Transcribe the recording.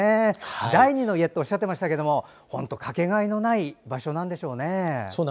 第２の家っておっしゃっていましたけど本当、かけがえのない場所なんでしょうね。